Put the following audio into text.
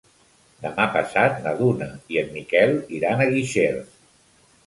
Demà passat na Duna i en Miquel iran a Guixers.